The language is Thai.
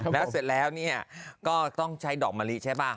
แล้วเสร็จแล้วก็ต้องใช้ดอกมะลิใช่ป่ะ